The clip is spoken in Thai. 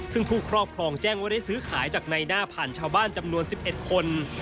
ซึ่งผู้ครอบครองแจ้งว่าได้ซื้อขายจากในหน้าผ่านชาวบ้านจำนวน๑๑คน